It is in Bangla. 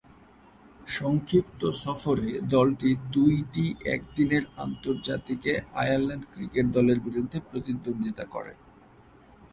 সংক্ষিপ্ত সফরে দলটি দুইটি একদিনের আন্তর্জাতিকে আয়ারল্যান্ড ক্রিকেট দলের বিরুদ্ধে প্রতিদ্বন্দ্বিতা করে।